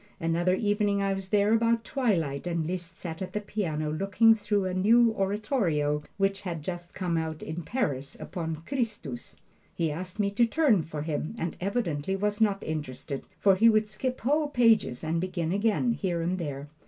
Another evening I was there about twilight and Liszt sat at the piano looking through a new oratorio which had just come out in Paris, upon "Christus." He asked me to turn for him, and evidently was not interested, for he would skip whole pages and begin again, here and there.